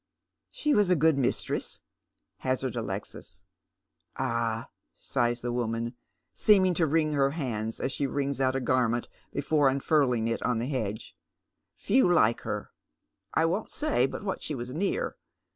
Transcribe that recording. " She was a good mistress ?" hazards Alexis. " Ah," sighs the woman, seeming to wiing her hands as she wrings out a garment before unfurling it on the hedge, " few like her. I won't say but what she was near.